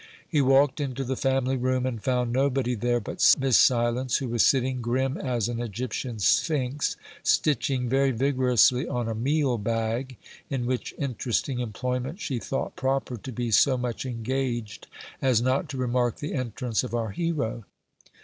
He walked into the family room, and found nobody there but Miss Silence, who was sitting, grim as an Egyptian sphinx, stitching very vigorously on a meal bag, in which interesting employment she thought proper to be so much engaged as not to remark the entrance of our hero.